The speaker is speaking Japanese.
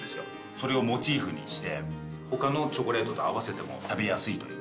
それをモチーフにして他のチョコレートと合わせても食べやすいと。